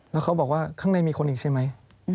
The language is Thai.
แล้วเขาบอกว่าข้างในมีคนอีกใช่ไหม